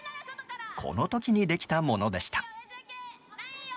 この時にできたものでした。